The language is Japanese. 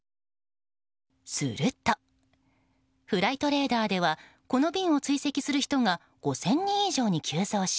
すると、フライトレーダーではこの便を追跡する人が５０００人以上に急増し